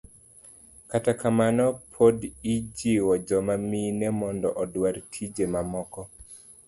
kata kamano, pod ijiwo joma mine mondo odwar tije mamoko.